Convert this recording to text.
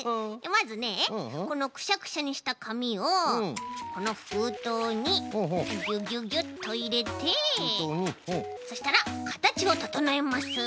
まずねこのくしゃくしゃにしたかみをこのふうとうにギュギュギュッといれてそしたらかたちをととのえます。